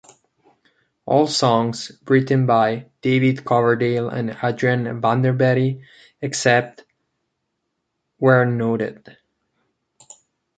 All songs written by David Coverdale and Adrian Vandenberg except where noted.